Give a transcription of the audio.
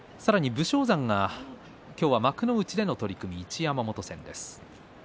武将山は今日幕内での取組、一山本戦です。